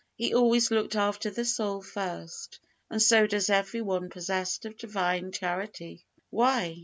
He always looked after the soul first, and so does everyone possessed of Divine Charity. Why?